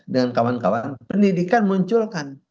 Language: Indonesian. dengan kawan kawan pendidikan munculkan